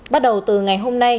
bắt đầu từ ngày hôm nay